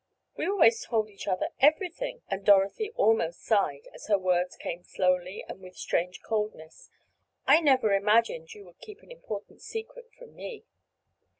"We always told each other everything," and Dorothy almost sighed, as her words came slowly, and with strange coldness. "I never imagined you would keep any important secret from me."